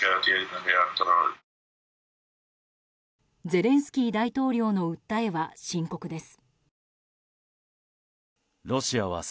ゼレンスキー大統領の訴えは深刻です。